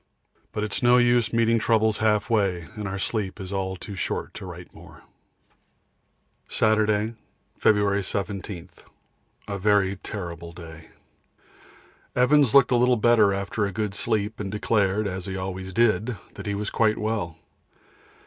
But it's no use meeting troubles half way, and our sleep is all too short to write more. Saturday, February 17. A very terrible day. Evans looked a little better after a good sleep, and declared, as he always did, that he was quite well.